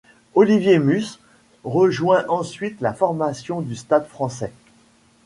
Olivier Nusse rejoint ensuite la formation du Stade français.